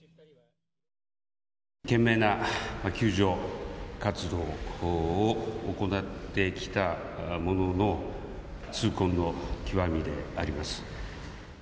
懸命な救助活動を行ってきたものの、痛恨の極みであります。